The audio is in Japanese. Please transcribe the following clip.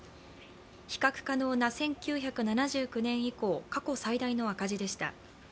比較可能な１９７９年以降過去最大の赤字でした。